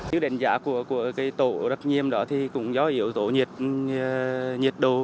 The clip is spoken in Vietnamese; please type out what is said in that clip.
theo đánh giá của tổ đặc nhiệm đó thì cũng do yếu tố nhiệt độ